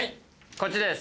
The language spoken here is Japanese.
こっちです。